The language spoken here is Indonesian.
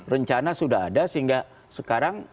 rencana sudah ada sehingga sekarang